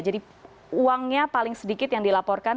jadi uangnya paling sedikit yang dilaporkan